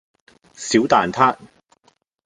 小蛋撻